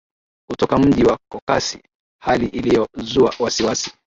kutoka mji wa cockasis hali ilio zua wasiwasi